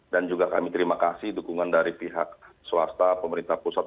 dan juga kami terima kasih dukungan dari pihak swasta pemerintah pusat